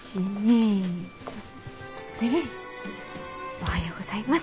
おはようございます。